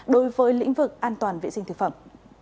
đối với lĩnh vực an toàn vệ sinh thực phẩm